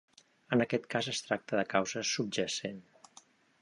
En aquest cas es tracta la causa subjacent.